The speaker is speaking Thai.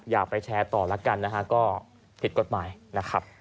อย่าไปแชร์ต่อแล้วกันนะฮะก็ผิดกฎหมายนะครับ